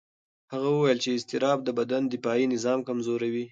هغه وویل چې اضطراب د بدن دفاعي نظام کمزوي.